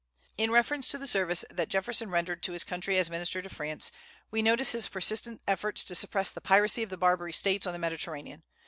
In reference to the service that Jefferson rendered to his country as minister to France we notice his persistent efforts to suppress the piracy of the Barbary States on the Mediterranean.